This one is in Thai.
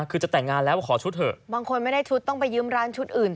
คือจะแต่งงานแล้วขอชุดเถอะบางคนไม่ได้ชุดต้องไปยืมร้านชุดอื่น